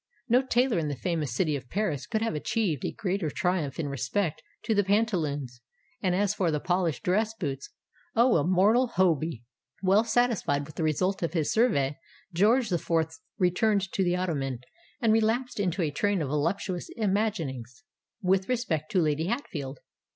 No tailor in the famous city of Paris could have achieved a greater triumph in respect to the pantaloons: and as for the polished dress boots——O immortal Hoby! Well satisfied with the result of his survey, George the Fourth returned to the ottoman, and relapsed into a train of voluptuous imagings with respect to Lady Hatfield.